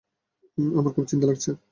আমার খুব চিন্তা লাগছে!